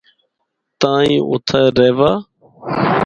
تاں ہی اُتّھا رہوّا۔